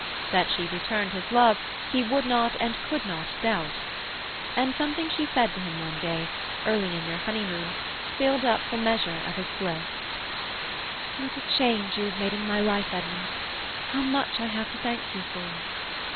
That she returned his love he would not and could not doubt. And something she said to him one day, early in their honeymoon, filled up the measure of his bliss. "What a change you have made in my life, Edmund! How much I have to thank you for!"